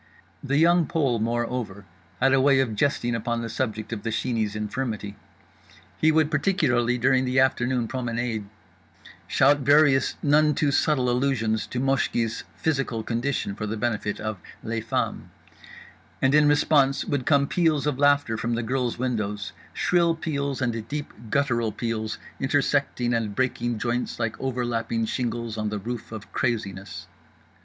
The Young Pole moreover had a way of jesting upon the subject of The Sheeney's infirmity. He would, particularly during the afternoon promenade, shout various none too subtle allusions to Moshki's physical condition for the benefit of les femmes. And in response would come peals of laughter from the girls' windows, shrill peals and deep guttural peals intersecting and breaking joints like overlapping shingles on the roof of Craziness.